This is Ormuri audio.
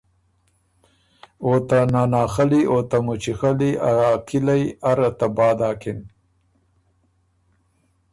او ته ناناخلّی او ته مُچی خلّی ا کِلئ ارّه تباه داکِن۔